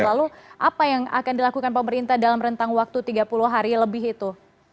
lalu apa yang akan dilakukan pemerintah dalam rentang waktu tiga puluh hari lebih itu